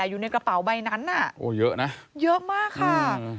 อยู่ในกระเป๋าใบนั้นน่ะเยอะมากค่ะ